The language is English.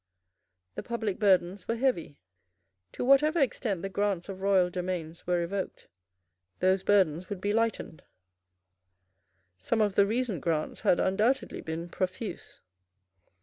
The public burdens were heavy. To whatever extent the grants of royal domains were revoked, those burdens would be lightened. Some of the recent grants had undoubtedly been profuse.